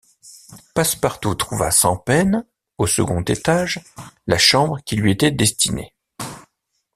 Passepartout trouva sans peine, au second étage, la chambre qui lui était destinée.